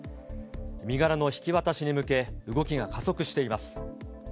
身柄の引き渡しに向け、動きが加速しています。